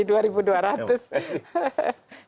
ya mas hendryawan